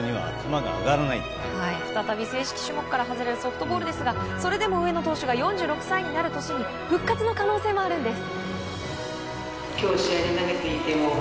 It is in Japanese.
再び種目から外れるソフトボールですが、それでも上野投手が４６歳になる年に復活の可能性もあるんです。